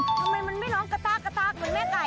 ทำไมมันไม่ร้องกระต้ากระตากเหมือนแม่ไก่